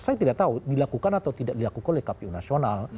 saya tidak tahu dilakukan atau tidak dilakukan oleh kpu nasional